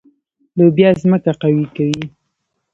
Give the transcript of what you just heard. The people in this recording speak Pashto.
لوبیا ځمکه قوي کوي.